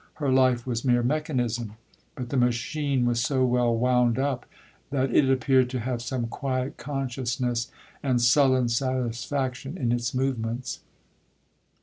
Her life was mere mechanism, but the machine was so well wound up, that it appeared to have some quiet consciousness and sullen satisfaction in its movements.